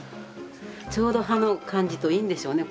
ちょうど歯の感じといいんでしょうね。